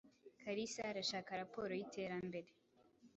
Kalisa arashaka raporo yiterambere.